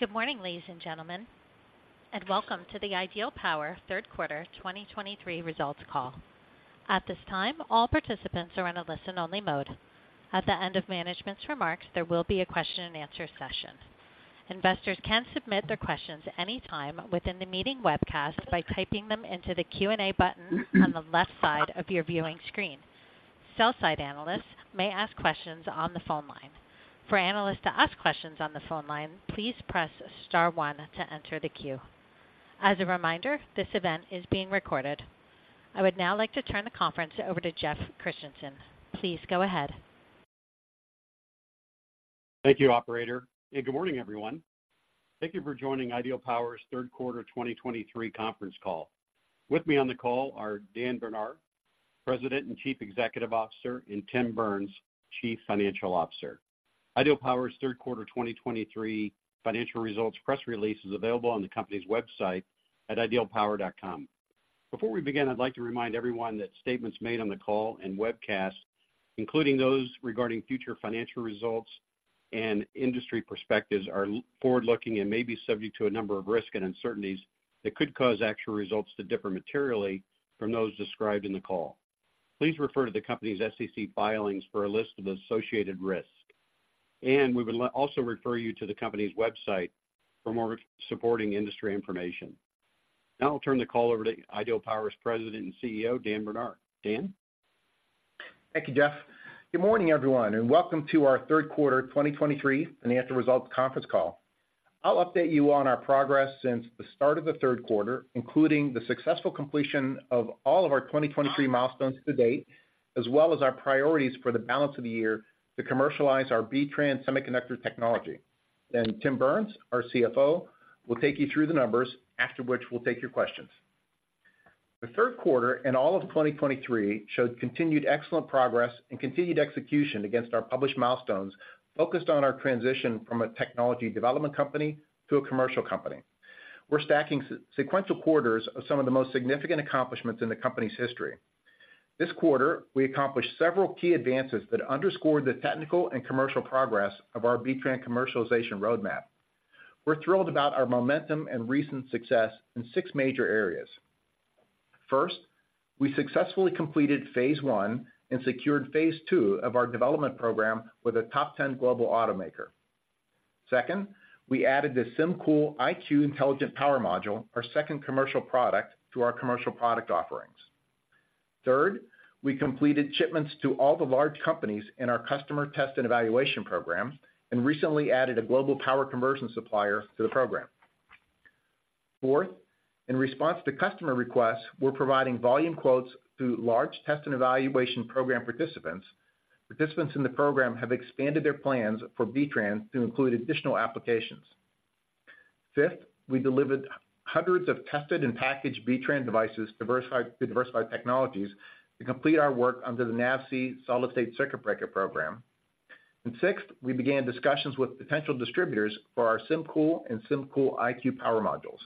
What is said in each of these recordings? Good morning, ladies and gentlemen, and welcome to the Ideal Power Third Quarter 2023 Results Call. At this time, all participants are in a listen-only mode. At the end of management's remarks, there will be a question and answer session. Investors can submit their questions anytime within the meeting webcast by typing them into the Q&A button on the left side of your viewing screen. Sell side analysts may ask questions on the phone line. For analysts to ask questions on the phone line, please press star one to enter the queue. As a reminder, this event is being recorded. I would now like to turn the conference over to Jeff Christensen. Please go ahead. Thank you, operator, and good morning, everyone. Thank you for joining Ideal Power's Third Quarter 2023 conference call. With me on the call are Dan Brdar, President and Chief Executive Officer, and Tim Burns, Chief Financial Officer. Ideal Power's Third Quarter 2023 financial results press release is available on the company's website at idealpower.com. Before we begin, I'd like to remind everyone that statements made on the call and webcast, including those regarding future financial results and industry perspectives, are forward-looking and may be subject to a number of risks and uncertainties that could cause actual results to differ materially from those described in the call. Please refer to the company's SEC filings for a list of associated risks, and we would also like to refer you to the company's website for more supporting industry information. Now I'll turn the call over to Ideal Power's President and CEO, Dan Brdar. Dan? Thank you, Jeff. Good morning, everyone, and welcome to our third quarter 2023 financial results conference call. I'll update you on our progress since the start of the third quarter, including the successful completion of all of our 2023 milestones to date, as well as our priorities for the balance of the year to commercialize our B-TRAN semiconductor technology. Then Tim Burns, our CFO, will take you through the numbers, after which we'll take your questions. The third quarter and all of 2023 showed continued excellent progress and continued execution against our published milestones, focused on our transition from a technology development company to a commercial company. We're stacking sequential quarters of some of the most significant accomplishments in the company's history. This quarter, we accomplished several key advances that underscored the technical and commercial progress of our B-TRAN commercialization roadmap. We're thrilled about our momentum and recent success in six major areas. First, we successfully completed phase one and secured phase two of our development program with a top ten global automaker. Second, we added the SymCool IQ intelligent power module, our second commercial product, to our commercial product offerings. Third, we completed shipments to all the large companies in our customer test and evaluation program, and recently added a global power conversion supplier to the program. Fourth, in response to customer requests, we're providing volume quotes to large test and evaluation program participants. Participants in the program have expanded their plans for B-TRAN to include additional applications. Fifth, we delivered hundreds of tested and packaged B-TRAN devices to Diversified Technologies to complete our work under the NAVSEA Solid-State Circuit Breaker program. And sixth, we began discussions with potential distributors for our SymCool and SymCool IQ power modules.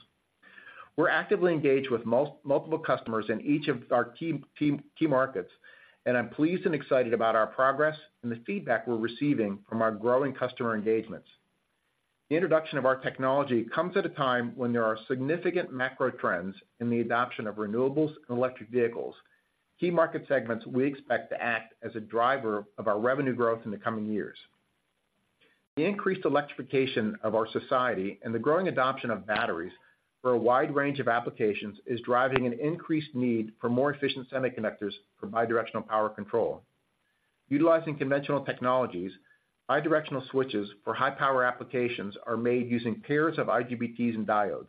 We're actively engaged with multiple customers in each of our key markets, and I'm pleased and excited about our progress and the feedback we're receiving from our growing customer engagements. The introduction of our technology comes at a time when there are significant macro trends in the adoption of renewables and electric vehicles, key market segments we expect to act as a driver of our revenue growth in the coming years. The increased electrification of our society and the growing adoption of batteries for a wide range of applications is driving an increased need for more efficient semiconductors for bidirectional power control. Utilizing conventional technologies, bidirectional switches for high power applications are made using pairs of IGBTs and diodes.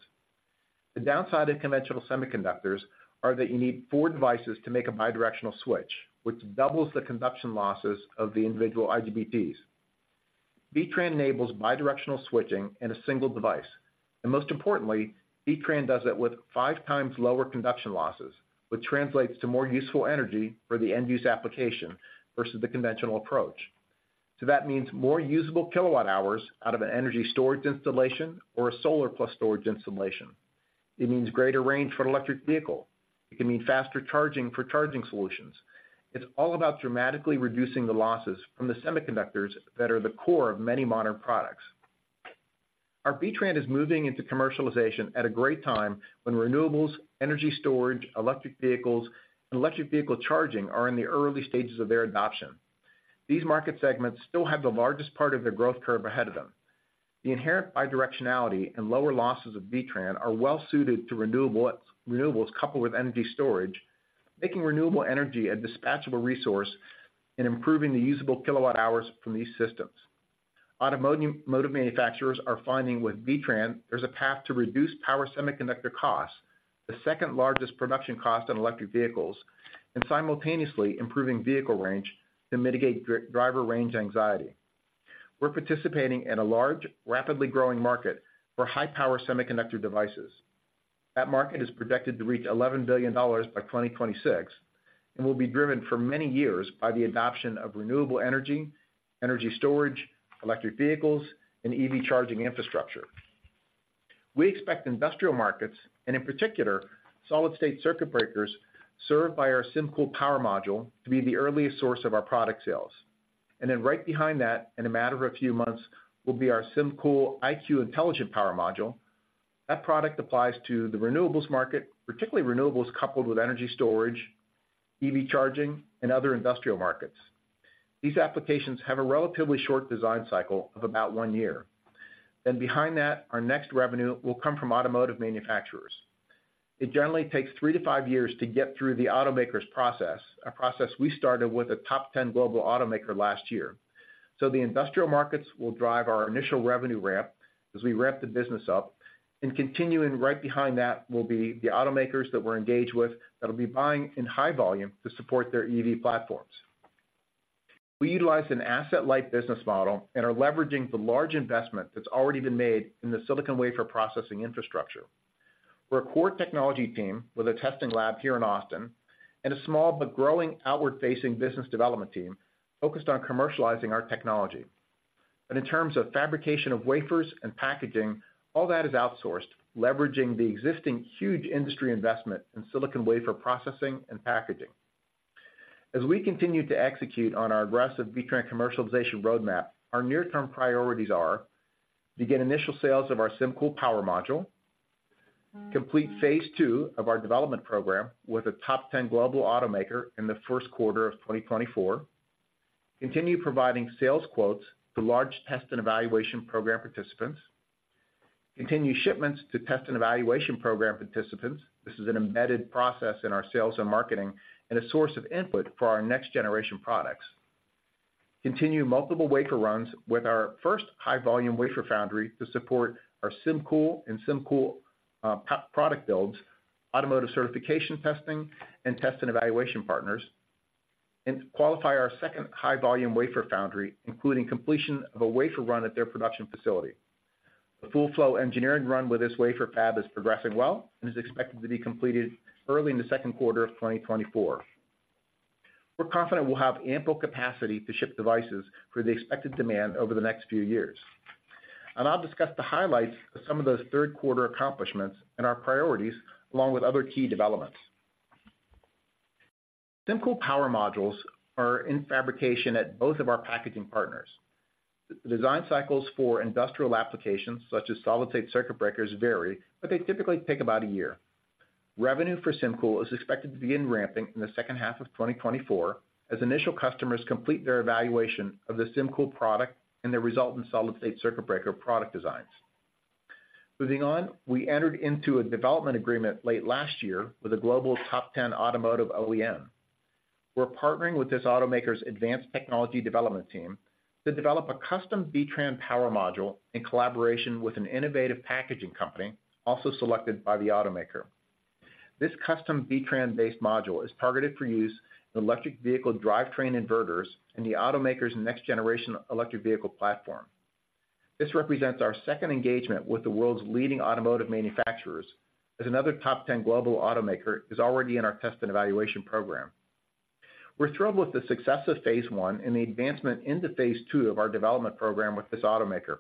The downside of conventional semiconductors are that you need four devices to make a bidirectional switch, which doubles the conduction losses of the individual IGBTs. B-TRAN enables bidirectional switching in a single device, and most importantly, B-TRAN does it with five times lower conduction losses, which translates to more useful energy for the end-use application versus the conventional approach. So that means more usable kilowatt hours out of an energy storage installation or a solar plus storage installation. It means greater range for an electric vehicle. It can mean faster charging for charging solutions. It's all about dramatically reducing the losses from the semiconductors that are the core of many modern products. Our B-TRAN is moving into commercialization at a great time when renewables, energy storage, electric vehicles, and electric vehicle charging are in the early stages of their adoption. These market segments still have the largest part of their growth curve ahead of them. The inherent bidirectionality and lower losses of B-TRAN are well suited to renewables coupled with energy storage, making renewable energy a dispatchable resource and improving the usable kilowatt hours from these systems. Automotive manufacturers are finding with B-TRAN, there's a path to reduce power semiconductor costs, the second largest production cost on electric vehicles, and simultaneously improving vehicle range to mitigate driver range anxiety. We're participating in a large, rapidly growing market for high-power semiconductor devices. That market is predicted to reach $11 billion by 2026 and will be driven for many years by the adoption of renewable energy, energy storage, electric vehicles, and EV charging infrastructure.... We expect industrial markets, and in particular, solid-state circuit breakers, served by our SymCool power module, to be the earliest source of our product sales. Then right behind that, in a matter of a few months, will be our SymCool IQ intelligent power module. That product applies to the renewables market, particularly renewables coupled with energy storage, EV charging, and other industrial markets. These applications have a relatively short design cycle of about one year. Then behind that, our next revenue will come from automotive manufacturers. It generally takes three to five years to get through the automaker's process, a process we started with a top 10 global automaker last year. The industrial markets will drive our initial revenue ramp as we ramp the business up, and continuing right behind that will be the automakers that we're engaged with that will be buying in high volume to support their EV platforms. We utilize an asset-light business model and are leveraging the large investment that's already been made in the silicon wafer processing infrastructure. We're a core technology team with a testing lab here in Austin and a small but growing outward-facing business development team focused on commercializing our technology. But in terms of fabrication of wafers and packaging, all that is outsourced, leveraging the existing huge industry investment in silicon wafer processing and packaging. As we continue to execute on our aggressive B-TRAN commercialization roadmap, our near-term priorities are: begin initial sales of our SymCool power module, complete phase two of our development program with a top ten global automaker in the first quarter of 2024, continue providing sales quotes to large test and evaluation program participants, continue shipments to test and evaluation program participants. This is an embedded process in our sales and marketing and a source of input for our next generation products. Continue multiple wafer runs with our first high-volume wafer foundry to support our SymCool and SymCool IQ product builds, automotive certification testing, and test and evaluation partners, and qualify our second high-volume wafer foundry, including completion of a wafer run at their production facility. The full flow engineering run with this wafer fab is progressing well and is expected to be completed early in the second quarter of 2024. We're confident we'll have ample capacity to ship devices for the expected demand over the next few years. I'll discuss the highlights of some of those third quarter accomplishments and our priorities, along with other key developments. SymCool power modules are in fabrication at both of our packaging partners. The design cycles for industrial applications, such as solid-state circuit breakers, vary, but they typically take about a year. Revenue for SymCool is expected to begin ramping in the second half of 2024, as initial customers complete their evaluation of the SymCool product and their resultant solid-state circuit breaker product designs. Moving on, we entered into a development agreement late last year with a global top 10 automotive OEM. We're partnering with this automaker's advanced technology development team to develop a custom B-TRAN power module in collaboration with an innovative packaging company, also selected by the automaker. This custom B-TRAN-based module is targeted for use in electric vehicle drivetrain inverters and the automaker's next generation electric vehicle platform. This represents our second engagement with the world's leading automotive manufacturers, as another top 10 global automaker is already in our test and evaluation program. We're thrilled with the success of phase one and the advancement into phase two of our development program with this automaker.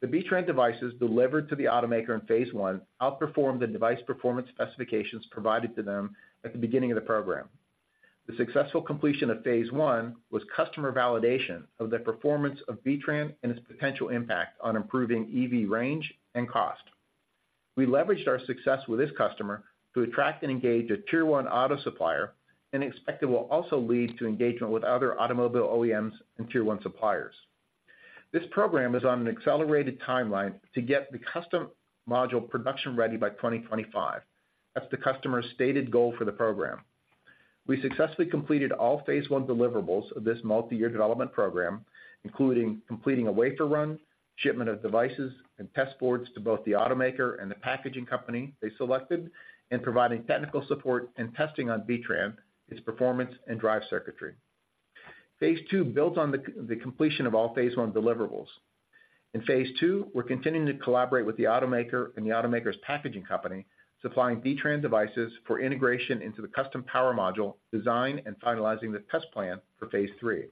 The B-TRAN devices delivered to the automaker in phase one outperformed the device performance specifications provided to them at the beginning of the program. The successful completion of phase one was customer validation of the performance of B-TRAN and its potential impact on improving EV range and cost. We leveraged our success with this customer to attract and engage a tier one auto supplier and expect it will also lead to engagement with other automobile OEMs and tier one suppliers. This program is on an accelerated timeline to get the custom module production ready by 2025. That's the customer's stated goal for the program. We successfully completed all phase one deliverables of this multi-year development program, including completing a wafer run, shipment of devices and test boards to both the automaker and the packaging company they selected, and providing technical support and testing on B-TRAN, its performance, and drive circuitry. Phase two builds on the completion of all phase one deliverables. In phase two, we're continuing to collaborate with the automaker and the automaker's packaging company, supplying B-TRAN devices for integration into the custom power module design and finalizing the test plan for phase three.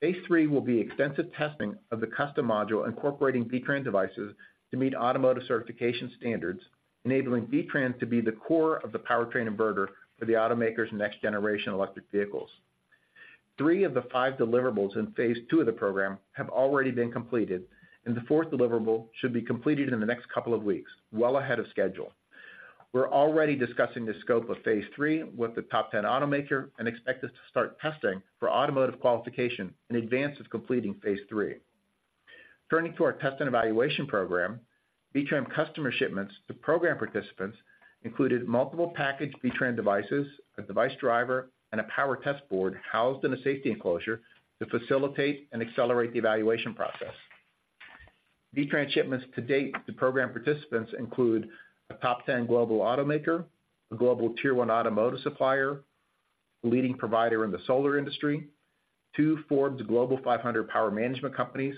Phase three will be extensive testing of the custom module, incorporating B-TRAN devices to meet automotive certification standards, enabling B-TRAN to be the core of the powertrain inverter for the automaker's next generation electric vehicles. 3 of the 5 deliverables in phase two of the program have already been completed, and the fourth deliverable should be completed in the next couple of weeks, well ahead of schedule. We're already discussing the scope of phase three with the top 10 automaker and expect us to start testing for automotive qualification in advance of completing phase three. Turning to our test and evaluation program, B-TRAN customer shipments to program participants included multiple packaged B-TRAN devices, a device driver, and a power test board housed in a safety enclosure to facilitate and accelerate the evaluation process. B-TRAN shipments to date to program participants include a top 10 global automaker, a global tier 1 automotive supplier, leading provider in the solar industry, two Forbes Global 500 power management companies,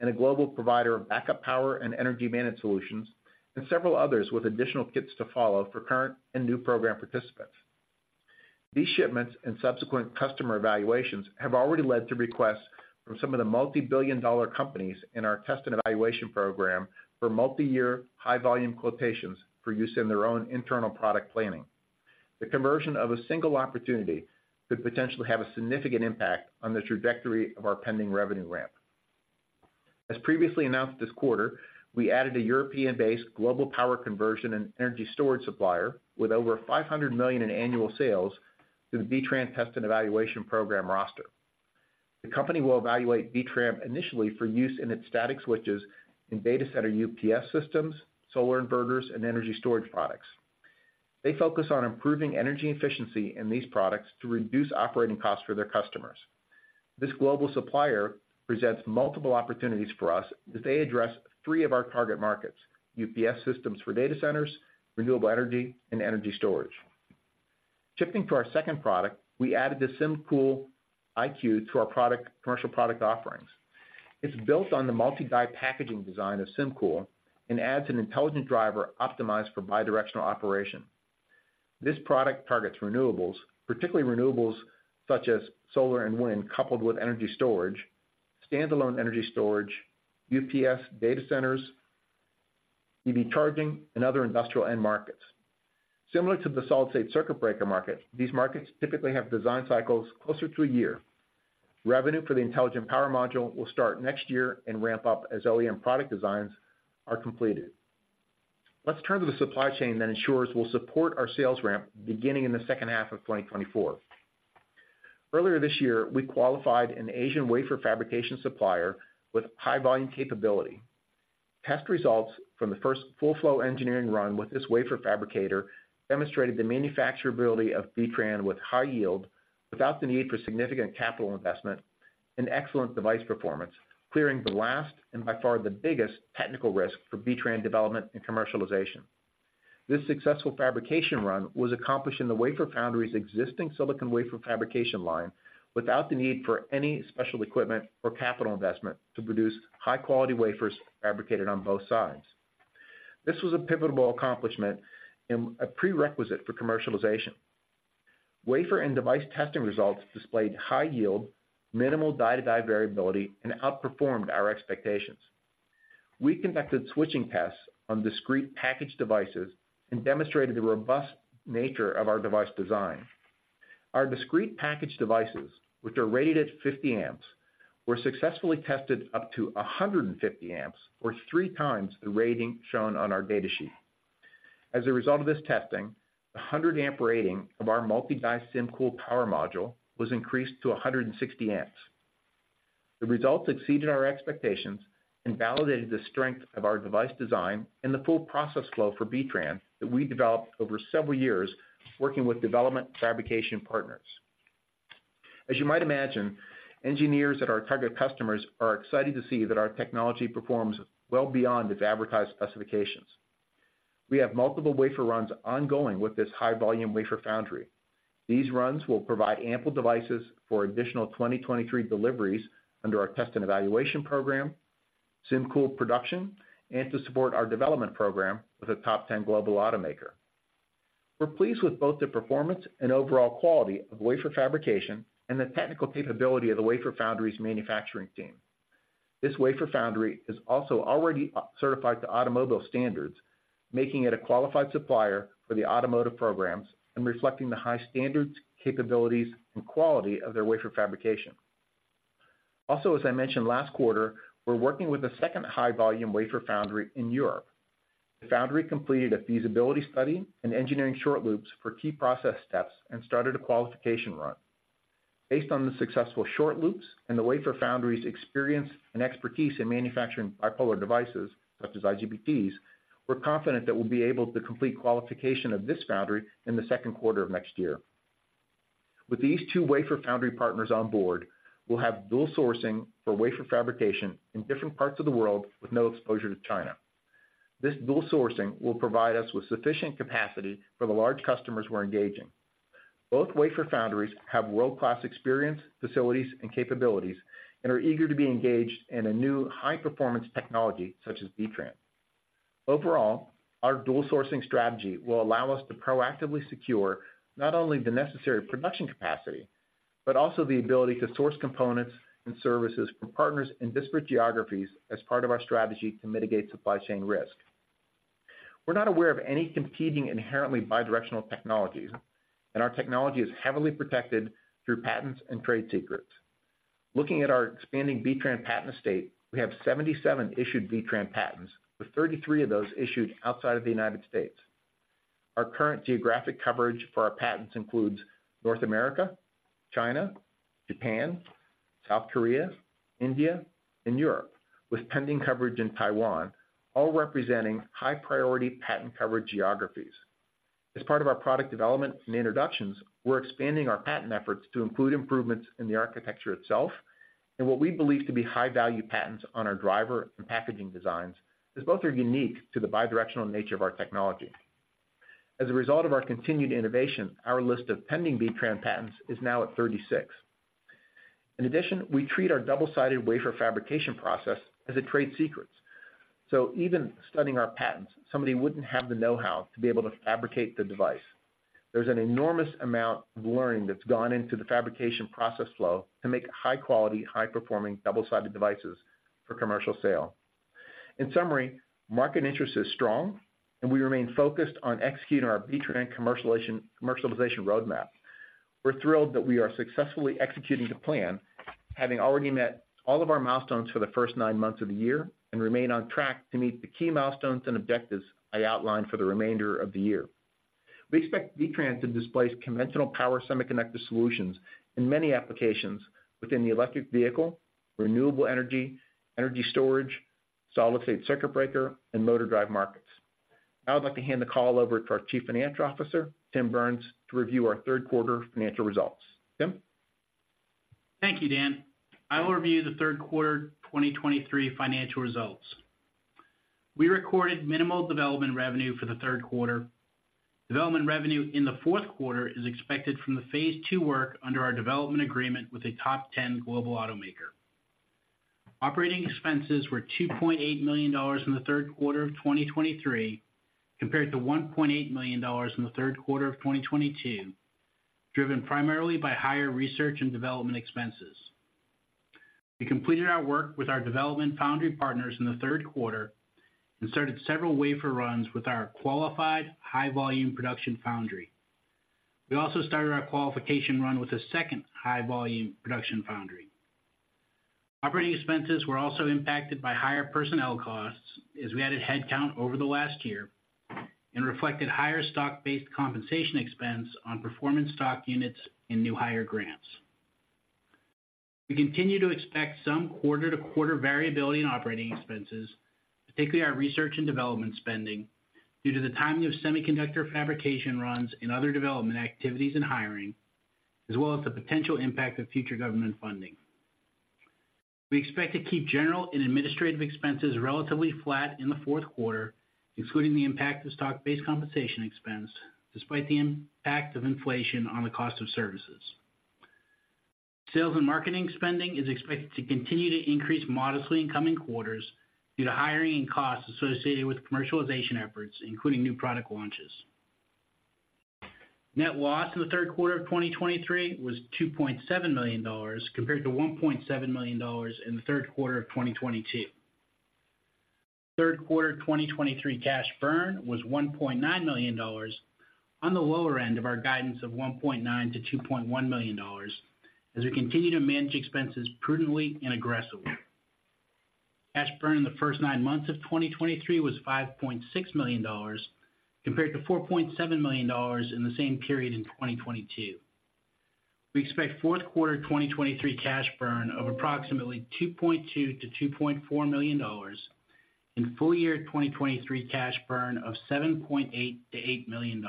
and a global provider of backup power and energy management solutions, and several others with additional kits to follow for current and new program participants. These shipments and subsequent customer evaluations have already led to requests from some of the multi-billion dollar companies in our test and evaluation program for multi-year, high-volume quotations for use in their own internal product planning. The conversion of a single opportunity could potentially have a significant impact on the trajectory of our pending revenue ramp. As previously announced this quarter, we added a European-based global power conversion and energy storage supplier with over $500 million in annual sales to the B-TRAN test and evaluation program roster. The company will evaluate B-TRAN initially for use in its static switches in data center UPS systems, solar inverters, and energy storage products. They focus on improving energy efficiency in these products to reduce operating costs for their customers. This global supplier presents multiple opportunities for us as they address three of our target markets: UPS systems for data centers, renewable energy, and energy storage. Shifting to our second product, we added the SymCool IQ to our product, commercial product offerings. It's built on the multi-die packaging design of SymCool, and adds an intelligent driver optimized for bidirectional operation. This product targets renewables, particularly renewables such as solar and wind, coupled with energy storage, standalone energy storage, UPS data centers, EV charging, and other industrial end markets. Similar to the solid-state circuit breaker market, these markets typically have design cycles closer to a year. Revenue for the intelligent power module will start next year and ramp up as OEM product designs are completed. Let's turn to the supply chain that ensures we'll support our sales ramp beginning in the second half of 2024. Earlier this year, we qualified an Asian wafer fabrication supplier with high volume capability. Test results from the first full flow engineering run with this wafer fabricator demonstrated the manufacturability of B-TRAN with high yield, without the need for significant capital investment and excellent device performance, clearing the last and by far the biggest technical risk for B-TRAN development and commercialization. This successful fabrication run was accomplished in the wafer foundry's existing silicon wafer fabrication line, without the need for any special equipment or capital investment to produce high-quality wafers fabricated on both sides. This was a pivotal accomplishment and a prerequisite for commercialization. Wafer and device testing results displayed high yield, minimal die-to-die variability, and outperformed our expectations. We conducted switching tests on discrete packaged devices and demonstrated the robust nature of our device design. Our discrete packaged devices, which are rated at 50 amps, were successfully tested up to 150 amps, or 3 times the rating shown on our data sheet. As a result of this testing, the 100-amp rating of our multi-die SymCool power module was increased to 160 amps. The results exceeded our expectations and validated the strength of our device design and the full process flow for B-TRAN that we developed over several years working with development fabrication partners. As you might imagine, engineers at our target customers are excited to see that our technology performs well beyond its advertised specifications. We have multiple wafer runs ongoing with this high volume wafer foundry. These runs will provide ample devices for additional 2023 deliveries under our test and evaluation program, SymCool production, and to support our development program with a top 10 global automaker. We're pleased with both the performance and overall quality of wafer fabrication and the technical capability of the wafer foundry's manufacturing team. This wafer foundry is also already certified to automobile standards, making it a qualified supplier for the automotive programs and reflecting the high standards, capabilities, and quality of their wafer fabrication. Also, as I mentioned last quarter, we're working with a second high-volume wafer foundry in Europe. The foundry completed a feasibility study and engineering short loops for key process steps and started a qualification run. Based on the successful short loops and the wafer foundry's experience and expertise in manufacturing bipolar devices, such as IGBTs, we're confident that we'll be able to complete qualification of this foundry in the second quarter of next year. With these two wafer foundry partners on board, we'll have dual sourcing for wafer fabrication in different parts of the world with no exposure to China. This dual sourcing will provide us with sufficient capacity for the large customers we're engaging. Both wafer foundries have world-class experience, facilities, and capabilities and are eager to be engaged in a new high-performance technology, such as B-TRAN. Overall, our dual sourcing strategy will allow us to proactively secure not only the necessary production capacity, but also the ability to source components and services from partners in disparate geographies as part of our strategy to mitigate supply chain risk. We're not aware of any competing, inherently bidirectional technologies, and our technology is heavily protected through patents and trade secrets. Looking at our expanding B-TRAN patent estate, we have 77 issued B-TRAN patents, with 33 of those issued outside of the United States. Our current geographic coverage for our patents includes North America, China, Japan, South Korea, India, and Europe, with pending coverage in Taiwan, all representing high-priority patent coverage geographies. As part of our product development and introductions, we're expanding our patent efforts to include improvements in the architecture itself and what we believe to be high-value patents on our driver and packaging designs, as both are unique to the bidirectional nature of our technology. As a result of our continued innovation, our list of pending B-TRAN patents is now at 36.... In addition, we treat our double-sided wafer fabrication process as a trade secret. So even studying our patents, somebody wouldn't have the know-how to be able to fabricate the device. There's an enormous amount of learning that's gone into the fabrication process flow to make high-quality, high-performing double-sided devices for commercial sale. In summary, market interest is strong, and we remain focused on executing our B-TRAN commercialization, commercialization roadmap. We're thrilled that we are successfully executing the plan, having already met all of our milestones for the first nine months of the year, and remain on track to meet the key milestones and objectives I outlined for the remainder of the year. We expect B-TRAN to displace conventional power semiconductor solutions in many applications within the electric vehicle, renewable energy, energy storage, solid-state circuit breaker, and motor drive markets. Now I'd like to hand the call over to our Chief Financial Officer, Tim Burns, to review our third quarter financial results. Tim? Thank you, Dan. I will review the third quarter 2023 financial results. We recorded minimal development revenue for the third quarter. Development revenue in the fourth quarter is expected from the phase two work under our development agreement with a top ten global automaker. Operating expenses were $2.8 million in the third quarter of 2023, compared to $1.8 million in the third quarter of 2022, driven primarily by higher research and development expenses. We completed our work with our development foundry partners in the third quarter and started several wafer runs with our qualified high-volume production foundry. We also started our qualification run with a second high-volume production foundry. Operating expenses were also impacted by higher personnel costs as we added headcount over the last year, and reflected higher stock-based compensation expense on performance stock units and new hire grants. We continue to expect some quarter-to-quarter variability in operating expenses, particularly our research and development spending, due to the timing of semiconductor fabrication runs and other development activities and hiring, as well as the potential impact of future government funding. We expect to keep general and administrative expenses relatively flat in the fourth quarter, excluding the impact of stock-based compensation expense, despite the impact of inflation on the cost of services. Sales and marketing spending is expected to continue to increase modestly in coming quarters due to hiring and costs associated with commercialization efforts, including new product launches. Net loss in the third quarter of 2023 was $2.7 million, compared to $1.7 million in the third quarter of 2022. Third quarter 2023 cash burn was $1.9 million, on the lower end of our guidance of $1.9 million-$2.1 million, as we continue to manage expenses prudently and aggressively. Cash burn in the first nine months of 2023 was $5.6 million, compared to $4.7 million in the same period in 2022. We expect fourth quarter 2023 cash burn of approximately $2.2 million-$2.4 million and full year 2023 cash burn of $7.8 million-$8 million.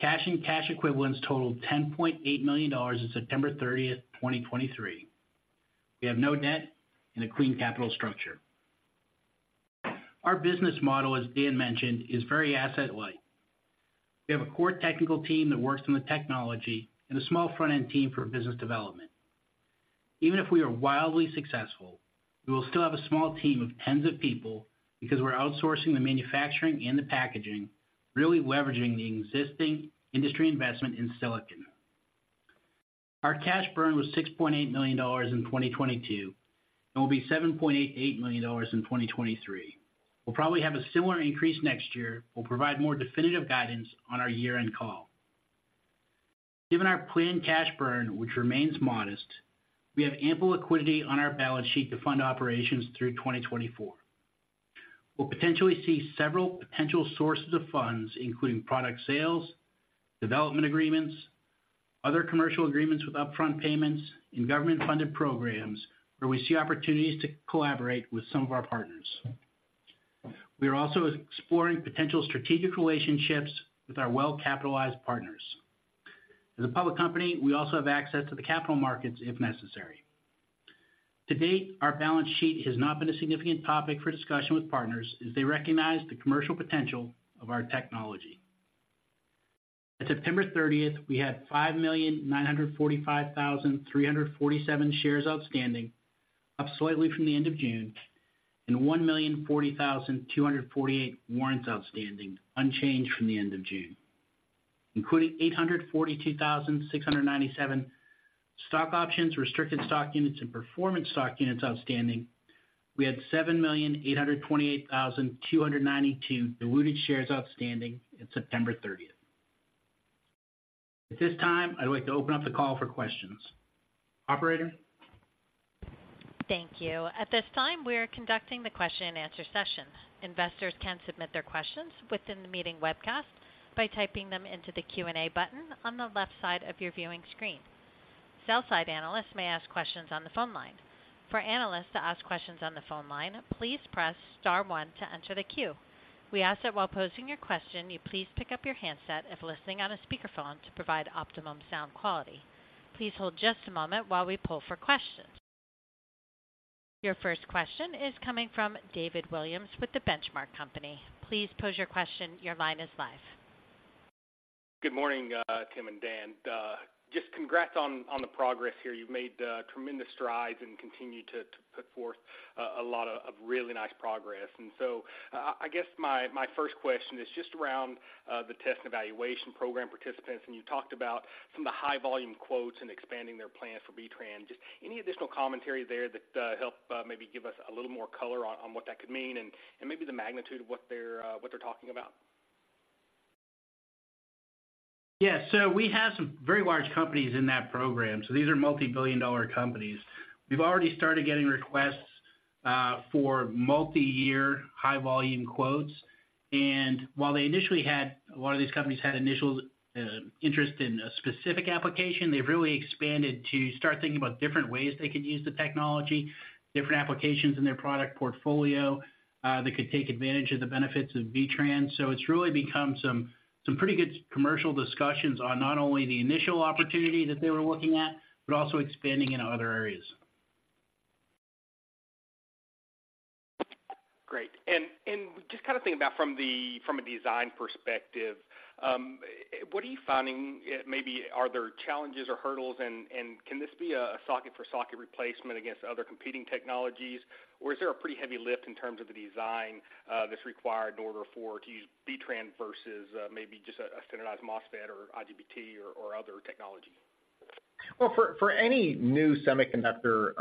Cash and cash equivalents totaled $10.8 million as of September thirtieth, 2023. We have no debt and a clean capital structure. Our business model, as Dan mentioned, is very asset light. We have a core technical team that works on the technology and a small front-end team for business development. Even if we are wildly successful, we will still have a small team of tens of people because we're outsourcing the manufacturing and the packaging, really leveraging the existing industry investment in silicon. Our cash burn was $6.8 million in 2022, and will be $7.88 million in 2023. We'll probably have a similar increase next year. We'll provide more definitive guidance on our year-end call. Given our planned cash burn, which remains modest, we have ample liquidity on our balance sheet to fund operations through 2024. We'll potentially see several potential sources of funds, including product sales, development agreements, other commercial agreements with upfront payments, and government-funded programs where we see opportunities to collaborate with some of our partners. We are also exploring potential strategic relationships with our well-capitalized partners. As a public company, we also have access to the capital markets if necessary. To date, our balance sheet has not been a significant topic for discussion with partners, as they recognize the commercial potential of our technology. At September 30, we had 5,945,347 shares outstanding, up slightly from the end of June, and 1,040,248 warrants outstanding, unchanged from the end of June. Including 842,697 stock options, restricted stock units, and performance stock units outstanding, we had 7,828,292 diluted shares outstanding in September 30. At this time, I'd like to open up the call for questions. Operator? Thank you. At this time, we are conducting the question and answer session. Investors can submit their questions within the meeting webcast by typing them into the Q&A button on the left side of your viewing screen. Sell-side analysts may ask questions on the phone line. For analysts to ask questions on the phone line, please press star one to enter the queue. We ask that while posing your question, you please pick up your handset if listening on a speakerphone to provide optimum sound quality. Please hold just a moment while we pull for questions.... Your first question is coming from David Williams with The Benchmark Company. Please pose your question. Your line is live. Good morning, Tim and Dan. Just congrats on the progress here. You've made tremendous strides and continue to put forth a lot of really nice progress. And so I guess my first question is just around the test and evaluation program participants, and you talked about some of the high volume quotes and expanding their plans for B-TRAN. Any additional commentary there that help maybe give us a little more color on what that could mean and maybe the magnitude of what they're talking about? Yes. So we have some very large companies in that program. So these are multi-billion-dollar companies. We've already started getting requests for multiyear, high-volume quotes, and while they initially had a lot of these companies had initial interest in a specific application, they've really expanded to start thinking about different ways they could use the technology, different applications in their product portfolio that could take advantage of the benefits of B-TRAN. So it's really become some pretty good commercial discussions on not only the initial opportunity that they were looking at, but also expanding into other areas. Great. And just kind of thinking about from a design perspective, what are you finding, maybe are there challenges or hurdles, and can this be a socket-for-socket replacement against other competing technologies? Or is there a pretty heavy lift in terms of the design that's required in order for to use B-TRAN versus maybe just a standardized MOSFET or IGBT or other technology? Well, for any new semiconductor,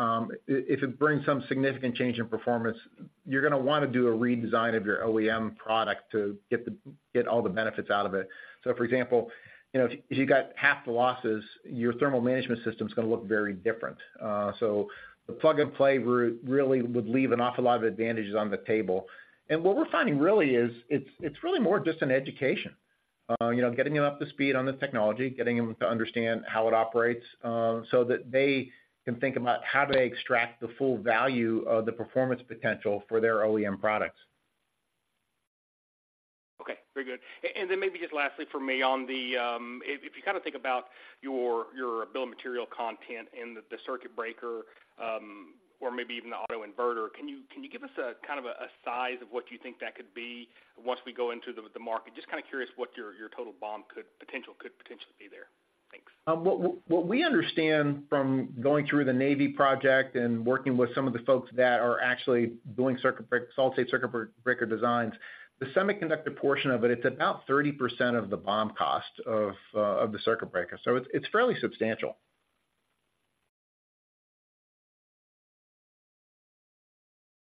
if it brings some significant change in performance, you're gonna wanna do a redesign of your OEM product to get all the benefits out of it. So for example, you know, if you got half the losses, your thermal management system is gonna look very different. So the plug-and-play route really would leave an awful lot of advantages on the table. And what we're finding really is, it's really more just an education. You know, getting them up to speed on the technology, getting them to understand how it operates, so that they can think about how do they extract the full value of the performance potential for their OEM products. Okay, very good. And then maybe just lastly for me on the, if you kind of think about your bill of material content in the circuit breaker, or maybe even the auto inverter, can you give us a kind of a size of what you think that could be once we go into the market? Just kind of curious what your total BOM could potentially be there. Thanks. What we understand from going through the Navy project and working with some of the folks that are actually doing solid-state circuit breaker designs, the semiconductor portion of it, it's about 30% of the BOM cost of the circuit breaker, so it's fairly substantial.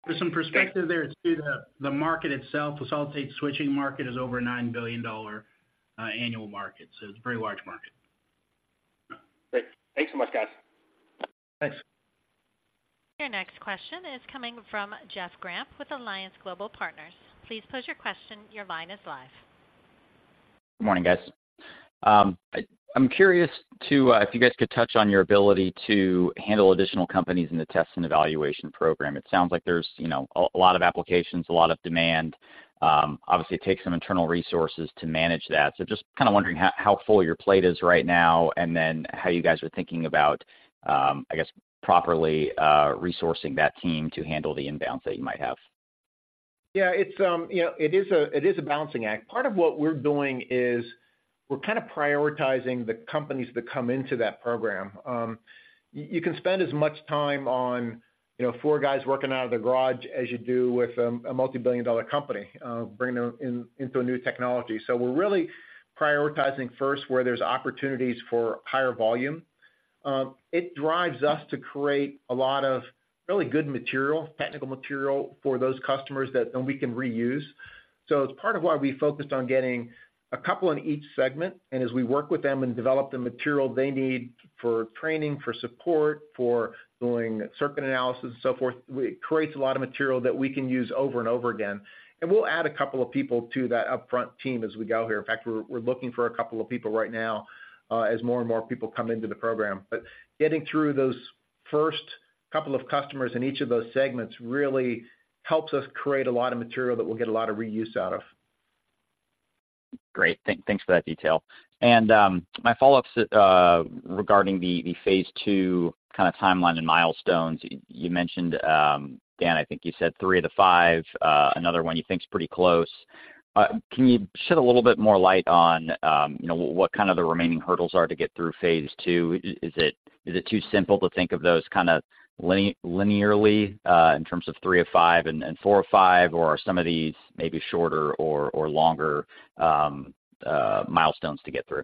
For some perspective there, it's due to the market itself, the solid-state switching market is over $9 billion annual market, so it's a very large market. Great. Thanks so much, guys. Thanks. Your next question is coming from Jeff Gramp with Alliance Global Partners. Please pose your question. Your line is live. Good morning, guys. I'm curious to if you guys could touch on your ability to handle additional companies in the test and evaluation program. It sounds like there's, you know, a lot of applications, a lot of demand. Obviously, it takes some internal resources to manage that. So just kind of wondering how full your plate is right now, and then how you guys are thinking about, I guess, properly resourcing that team to handle the inbound that you might have. Yeah, it's, you know, it is a balancing act. Part of what we're doing is we're kind of prioritizing the companies that come into that program. You can spend as much time on, you know, four guys working out of the garage as you do with a multi-billion-dollar company bringing them into a new technology. So we're really prioritizing first where there's opportunities for higher volume. It drives us to create a lot of really good material, technical material for those customers that and we can reuse. So it's part of why we focused on getting a couple in each segment, and as we work with them and develop the material they need for training, for support, for doing circuit analysis and so forth, it creates a lot of material that we can use over and over again. We'll add a couple of people to that upfront team as we go here. In fact, we're looking for a couple of people right now, as more and more people come into the program. But getting through those first couple of customers in each of those segments really helps us create a lot of material that we'll get a lot of reuse out of. Great. Thanks for that detail. And, my follow-up's regarding the phase two kind of timeline and milestones. You mentioned, Dan, I think you said three of the five, another one you think is pretty close. Can you shed a little bit more light on, you know, what kind of the remaining hurdles are to get through phase two? Is it too simple to think of those kind of linearly in terms of three of five and four of five, or are some of these maybe shorter or longer milestones to get through?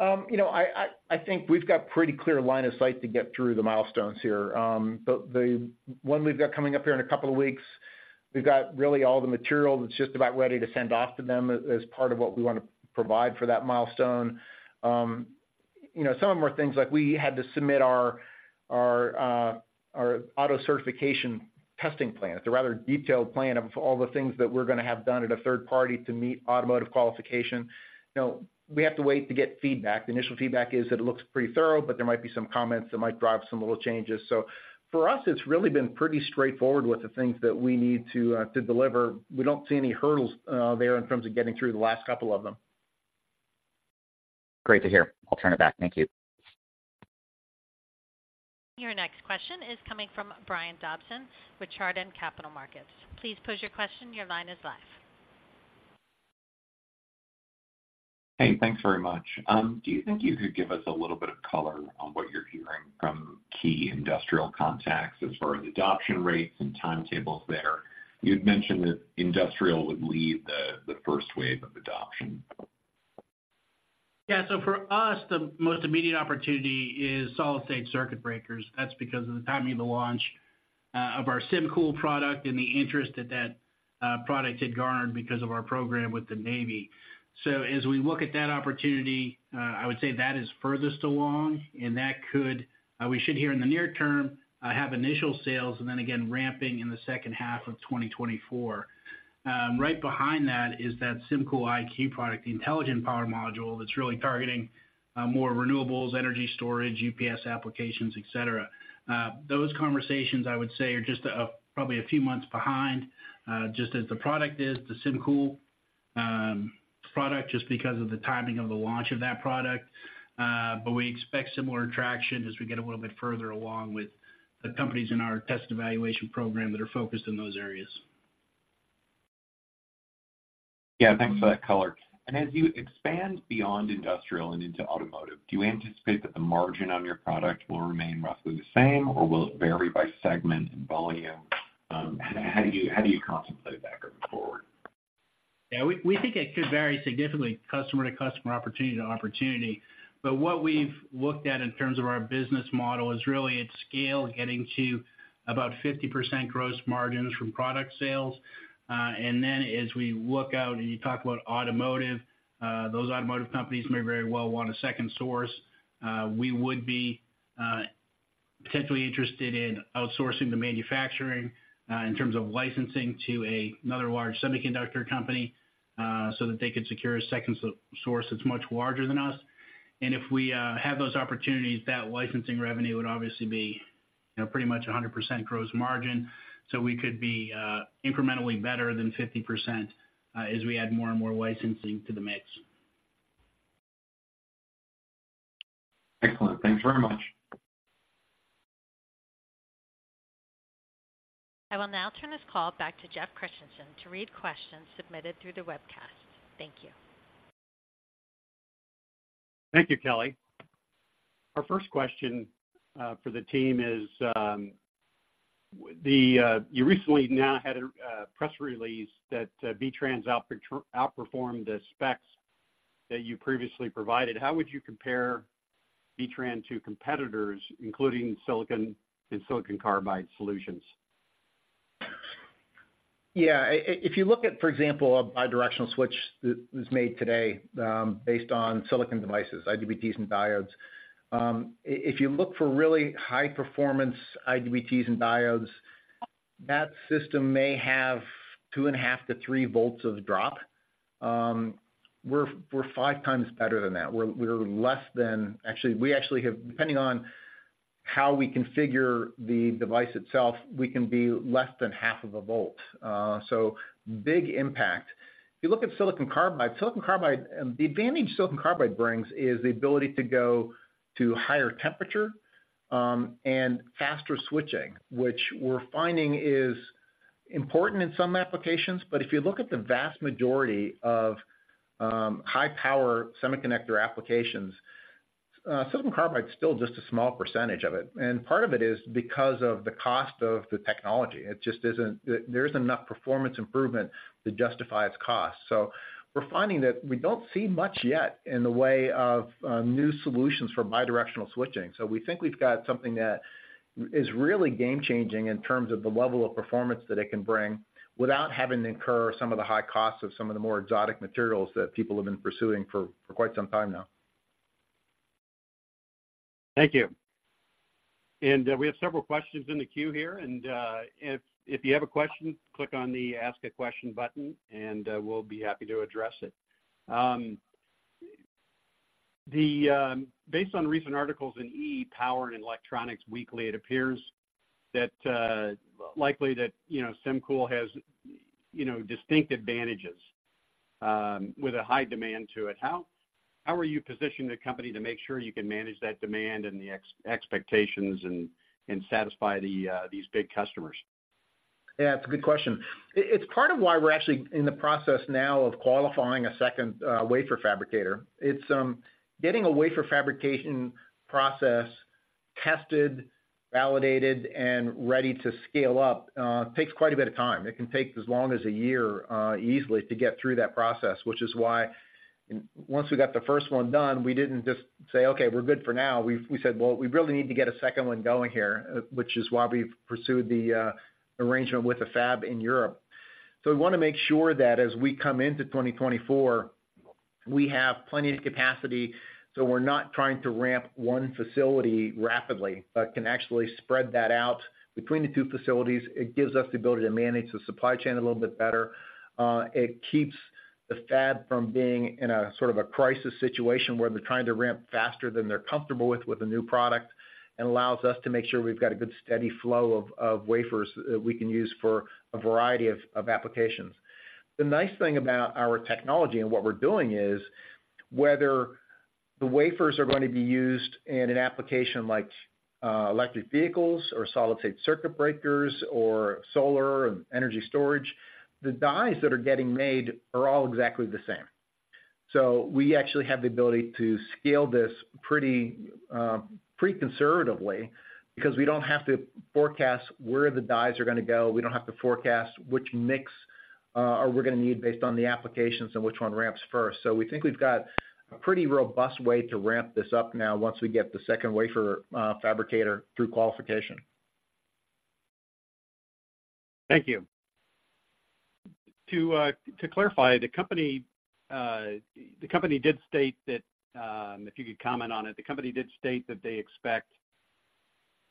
You know, I think we've got pretty clear line of sight to get through the milestones here. The one we've got coming up here in a couple of weeks, we've got really all the material that's just about ready to send off to them as part of what we want to provide for that milestone. You know, some of them are things like we had to submit our auto certification testing plan. It's a rather detailed plan of all the things that we're gonna have done at a third party to meet automotive qualification. You know, we have to wait to get feedback. The initial feedback is that it looks pretty thorough, but there might be some comments that might drive some little changes. So for us, it's really been pretty straightforward with the things that we need to deliver. We don't see any hurdles there in terms of getting through the last couple of them... Great to hear. I'll turn it back. Thank you. Your next question is coming from Brian Dobson with Chardan Capital Markets. Please pose your question. Your line is live. Hey, thanks very much. Do you think you could give us a little bit of color on what you're hearing from key industrial contacts as far as adoption rates and timetables there? You'd mentioned that industrial would lead the first wave of adoption. Yeah. So for us, the most immediate opportunity is solid-state circuit breakers. That's because of the timing of the launch of our SymCool product and the interest that that product had garnered because of our program with the Navy. So as we look at that opportunity, I would say that is furthest along, and that could, we should hear in the near term, have initial sales, and then again, ramping in the second half of 2024. Right behind that is that SymCool IQ product, the intelligent power module, that's really targeting more renewables, energy storage, UPS applications, et cetera. Those conversations, I would say, are just probably a few months behind, just as the product is, the SymCool product, just because of the timing of the launch of that product. But we expect similar traction as we get a little bit further along with the companies in our test evaluation program that are focused in those areas. Yeah, thanks for that color. As you expand beyond industrial and into automotive, do you anticipate that the margin on your product will remain roughly the same, or will it vary by segment and volume? How do you, how do you contemplate that going forward? Yeah, we think it could vary significantly, customer to customer, opportunity to opportunity. But what we've looked at in terms of our business model is really at scale, getting to about 50% gross margins from product sales. And then as we look out and you talk about automotive, those automotive companies may very well want a second source. We would be potentially interested in outsourcing the manufacturing in terms of licensing to another large semiconductor company so that they could secure a second source that's much larger than us. And if we have those opportunities, that licensing revenue would obviously be, you know, pretty much 100% gross margin. So we could be incrementally better than 50% as we add more and more licensing to the mix. Excellent. Thanks very much. I will now turn this call back to Jeff Christensen to read questions submitted through the webcast. Thank you. Thank you, Kelly. Our first question for the team is, you recently now had a press release that B-TRANs outperformed the specs that you previously provided. How would you compare B-TRANs to competitors, including silicon and silicon carbide solutions? Yeah, if you look at, for example, a bidirectional switch that is made today, based on silicon devices, IGBTs and diodes. If you look for really high performance IGBTs and diodes, that system may have 2.5-3 volts of drop. We're five times better than that. We're less than, actually, we actually have, depending on how we configure the device itself, we can be less than half of a volt. So big impact. If you look at silicon carbide, the advantage silicon carbide brings is the ability to go to higher temperature, and faster switching, which we're finding is important in some applications. But if you look at the vast majority of high power semiconductor applications, silicon Carbide is still just a small percentage of it. Part of it is because of the cost of the technology. It just isn't. There isn't enough performance improvement to justify its cost. So we're finding that we don't see much yet in the way of new solutions for bidirectional switching. So we think we've got something that is really game-changing in terms of the level of performance that it can bring, without having to incur some of the high costs of some of the more exotic materials that people have been pursuing for quite some time now. Thank you. And we have several questions in the queue here, and if you have a question, click on the Ask a Question button, and we'll be happy to address it. Based on recent articles in EE Power and Electronics Weekly, it appears that likely that, you know, SymCool has, you know, distinct advantages with a high demand to it. How are you positioning the company to make sure you can manage that demand and the expectations and satisfy these big customers? Yeah, it's a good question. It, it's part of why we're actually in the process now of qualifying a second wafer fabricator. It's getting a wafer fabrication process tested, validated, and ready to scale up takes quite a bit of time. It can take as long as a year easily to get through that process, which is why once we got the first one done, we didn't just say, "Okay, we're good for now." We, we said, "Well, we really need to get a second one going here," which is why we've pursued the arrangement with a fab in Europe. So we want to make sure that as we come into 2024, we have plenty of capacity, so we're not trying to ramp one facility rapidly, but can actually spread that out between the two facilities. It gives us the ability to manage the supply chain a little bit better. It keeps the fab from being in a sort of a crisis situation, where they're trying to ramp faster than they're comfortable with, with a new product, and allows us to make sure we've got a good, steady flow of wafers that we can use for a variety of applications. The nice thing about our technology and what we're doing is, whether the wafers are going to be used in an application like electric vehicles or solid-state circuit breakers or solar and energy storage. The dies that are getting made are all exactly the same. So we actually have the ability to scale this pretty, pretty conservatively, because we don't have to forecast where the dies are gonna go. We don't have to forecast which mix are we gonna need based on the applications and which one ramps first. So we think we've got a pretty robust way to ramp this up now once we get the second wafer fabricator through qualification. Thank you. To clarify, the company did state that, if you could comment on it, the company did state that they expect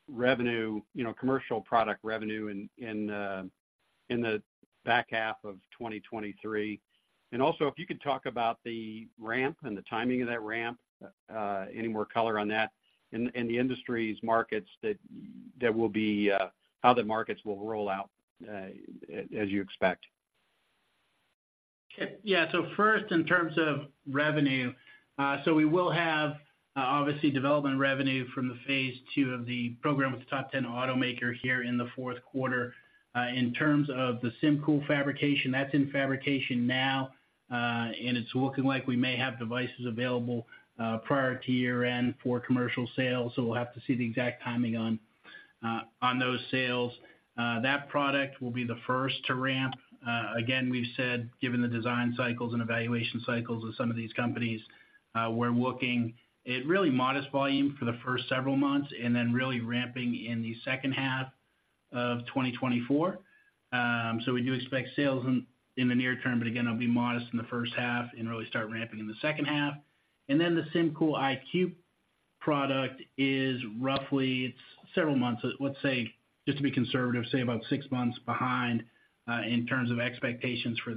revenue, you know, commercial product revenue in the back half of 2023. And also, if you could talk about the ramp and the timing of that ramp, any more color on that? And the industries, markets that will be, how the markets will roll out, as you expect. Yeah. So first, in terms of revenue, so we will have, obviously, development revenue from the phase two of the program with the top ten automaker here in the fourth quarter. In terms of the SymCool fabrication, that's in fabrication now, and it's looking like we may have devices available prior to year-end for commercial sales, so we'll have to see the exact timing on those sales. That product will be the first to ramp. Again, we've said, given the design cycles and evaluation cycles of some of these companies, we're looking at really modest volume for the first several months, and then really ramping in the second half of 2024. So we do expect sales in the near term, but again, it'll be modest in the first half and really start ramping in the second half. Then the SymCool IQ product is roughly, it's several months, let's say, just to be conservative, say about six months behind in terms of expectations for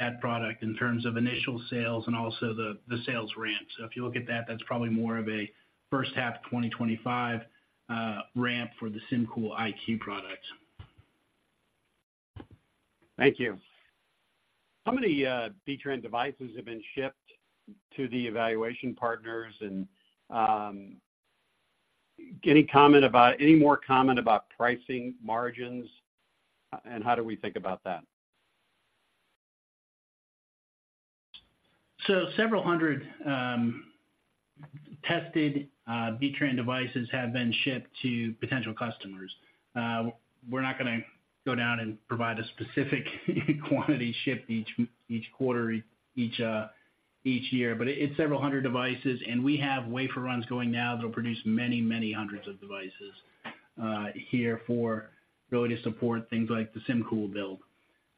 that product in terms of initial sales and also the sales ramp. So if you look at that, that's probably more of a first half of 2025 ramp for the SymCool IQ product. Thank you. How many B-TRAN devices have been shipped to the evaluation partners? And any more comment about pricing margins, and how do we think about that? So several hundred tested B-TRAN devices have been shipped to potential customers. We're not gonna go down and provide a specific quantity shipped each quarter, each year, but it's several hundred devices, and we have wafer runs going now that'll produce many, many hundreds of devices here for really to support things like the SymCool build,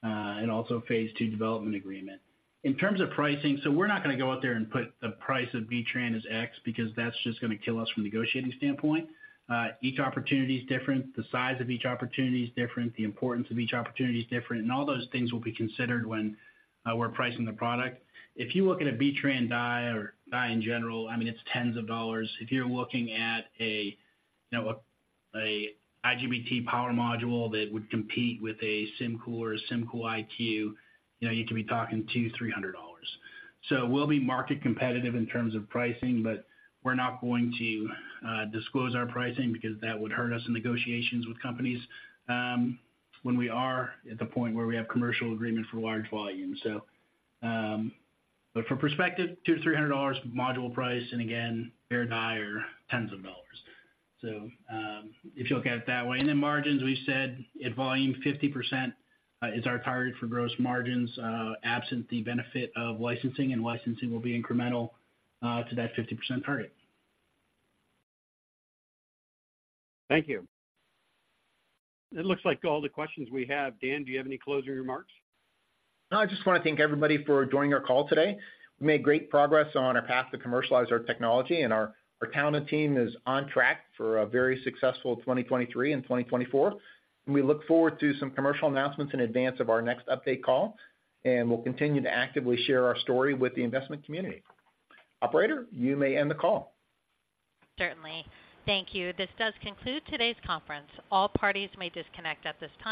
and also phase two development agreement. In terms of pricing, we're not gonna go out there and put the price of B-TRAN as X, because that's just gonna kill us from a negotiating standpoint. Each opportunity is different, the size of each opportunity is different, the importance of each opportunity is different, and all those things will be considered when we're pricing the product. If you look at a B-TRAN die or die in general, I mean, it's tens of dollars. If you're looking at a, you know, a IGBT power module that would compete with a SymCool or a SymCool IQ, you know, you could be talking $200-$300. So we'll be market competitive in terms of pricing, but we're not going to disclose our pricing because that would hurt us in negotiations with companies when we are at the point where we have commercial agreement for large volume. So, but for perspective, $200-$300 module price, and again, their die are tens of dollars. So, if you look at it that way. And then margins, we've said at volume, 50% is our target for gross margins, absent the benefit of licensing, and licensing will be incremental to that 50% target. Thank you. It looks like all the questions we have. Dan, do you have any closing remarks? No, I just want to thank everybody for joining our call today. We made great progress on our path to commercialize our technology, and our talented team is on track for a very successful 2023 and 2024. We look forward to some commercial announcements in advance of our next update call, and we'll continue to actively share our story with the investment community. Operator, you may end the call. Certainly. Thank you. This does conclude today's conference. All parties may disconnect at this time.